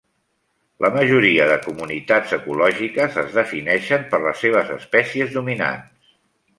La majoria de comunitats ecològiques es defineixen per les seves espècies dominants.